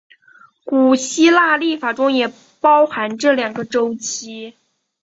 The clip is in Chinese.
古希腊历法中也包含这两个周期。